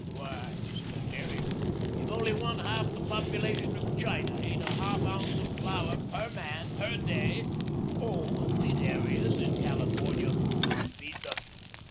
Why, Mr. Derrick, if only one half the population of China ate a half ounce of flour per man per day all the wheat areas in California could not feed them.